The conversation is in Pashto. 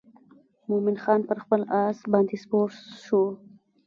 مومن خان پر خپل آس باندې سپور شو.